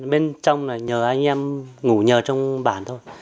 bên trong là nhờ anh em ngủ nhờ trong bản thôi